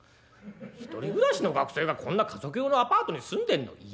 「１人暮らしの学生がこんな家族用のアパートに住んでんの？」。